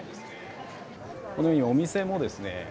このように、お店もですね